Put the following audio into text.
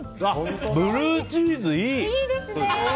ブルーチーズいい！